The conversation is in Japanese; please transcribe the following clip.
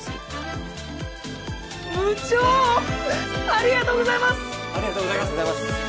ありがとうございます。